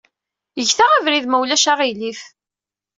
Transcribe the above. Get-aɣ abrid, ma ulac aɣilif.